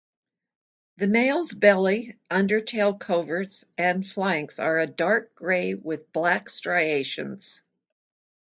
The male's belly, undertail coverts, and flanks are a dark grey with black striations.